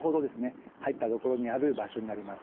入った所にある場所になります。